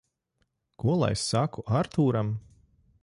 Ko lai saku Artūram?